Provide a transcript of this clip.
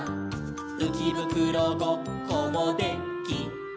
「うきぶくろごっこもで・き・る」